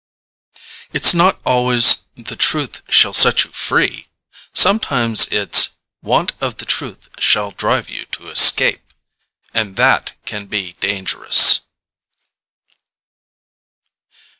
_It's not always "The Truth shall set you free!" Sometimes it's "Want of the Truth shall drive you to escape!" And that can be dangerous!